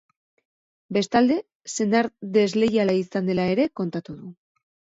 Bestalde, senar desleiala izan dela ere kontatu du.